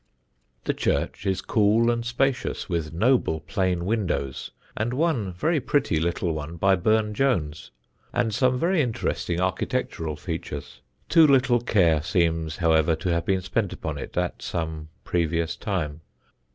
The church is cool and spacious, with noble plain windows (and one very pretty little one by Burne Jones), and some very interesting architectural features. Too little care seems, however, to have been spent upon it at some previous time.